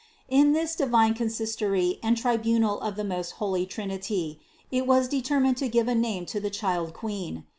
335. In this divine consistory and tribunal of the most holy Trinity it was determined to give a name to the Child Queen.